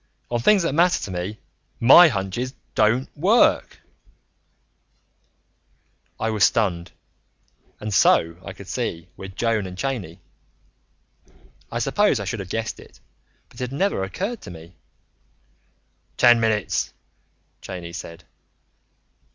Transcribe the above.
On things that matter to me, my hunches don't work." I was stunned, and so, I could see, were Joan and Cheyney. I suppose I should have guessed it, but it had never occurred to me. "Ten minutes," Cheyney said.